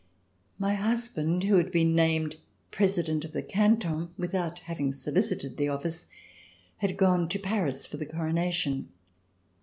My husband who had been named President of the Canton, without having solicited the office, had gone to Paris for the coronation.